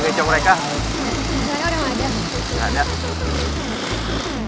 ga ada betul betul